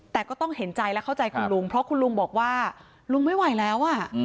แต่ก็ต้องเห็นใจและเข้าใจคุณลุงเพราะคุณลุงบอกว่าลุงไม่ไหวแล้ว